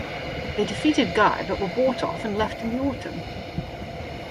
They defeated Guy, but were bought off and left in autumn.